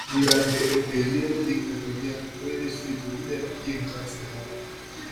Durante el período dictatorial fue destituida y encarcelada.